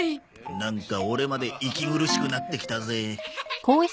なんかオレまで息苦しくなってきたぜ。